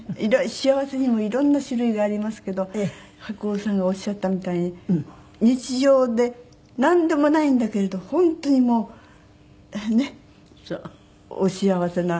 幸せにも色んな種類がありますけど白鸚さんがおっしゃったみたいに日常でなんでもないんだけれど本当にもうねっお幸せな。